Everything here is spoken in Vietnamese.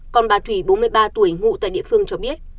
còn bà thủy bốn mươi ba tuổi ngụ tại địa phương cho biết